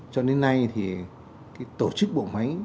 cho đến nay thì tổ chức bộ máy